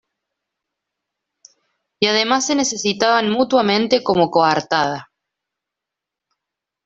Y además se necesitaban mutuamente como coartada.